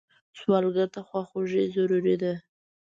سوالګر ته خواخوږي ضروري ده